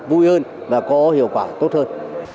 vui hơn và có hiệu quả tốt hơn